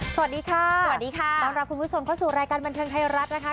สวัสดีค่ะสวัสดีค่ะต้อนรับคุณผู้ชมเข้าสู่รายการบันเทิงไทยรัฐนะคะ